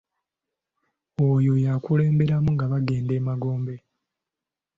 Oyo y'akulemberamu nga bagenda e magombe.